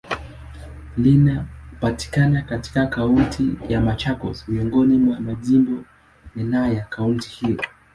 Linapatikana katika Kaunti ya Machakos, miongoni mwa majimbo naneya kaunti hiyo.